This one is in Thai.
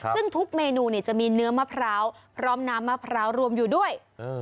ซึ่งทุกเมนูจะมีเนื้อมะพร้าวพร้อมน้ำมะพร้าวรวมอยู่ด้วย